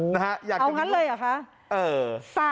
โอ้โฮเอางั้นเลยหรือคะ